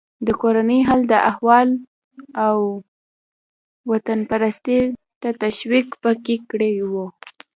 د کورني حال و احوال او وطنپرستۍ ته تشویق یې پکې کړی و.